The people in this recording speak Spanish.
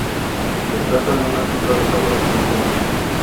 Se trata de una sopa de elaboración sencilla.